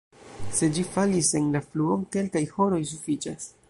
Se ĝi falis en la fluon, kelkaj horoj sufiĉas.